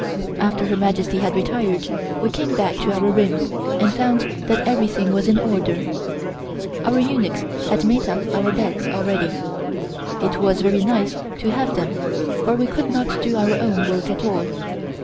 After Her Majesty had retired we came back to our rooms and found that everything was in order, our eunuchs had made up our beds already. It was very nice to have them, for we could not do our own work at all.